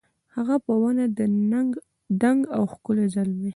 هغه په ونه دنګ او ښکلی زلمی